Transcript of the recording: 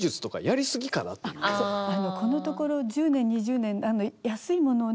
このところ１０年２０年安いものをね